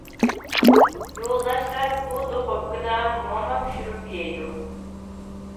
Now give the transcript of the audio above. يولداشلار بۇ دۇخوپكىدا موما پىشۇرۇپ يەيدۇ.